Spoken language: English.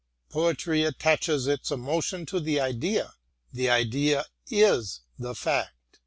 Poetry attaches its emotion to the idea : the idea is the fact.